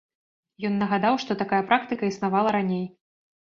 Ён нагадаў, што такая практыка існавала раней.